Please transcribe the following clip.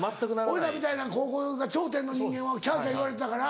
俺らみたいな高校が頂点の人間はきゃきゃ言われてたから。